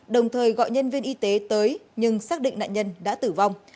đồng thời gọi nhân viên y tế tới nhưng xác định nạn nhân đã tử vong